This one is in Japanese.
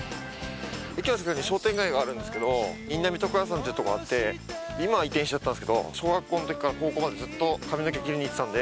駅の近くに商店街があるんですけどインナミ床屋さんっていうとこがあって今は移転しちゃったんすけど小学校のときから高校までずっと髪の毛切りに行ってたんで。